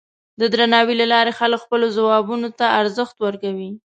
د درناوي له لارې خلک خپلو ځوابونو ته ارزښت ورکوي.